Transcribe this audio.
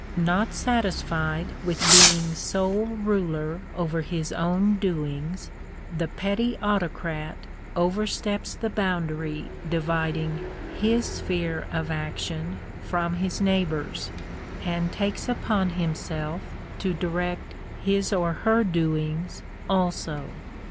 Not satis fied with being sole ruler over his own doings, the petty auto crat oversteps the boundary dividing his sphere of action from his neighbour's, and takes upon himself to direct his or her doings also.